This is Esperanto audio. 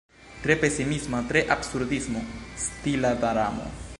Tre pesimisma, tre absurdismo-stila dramo.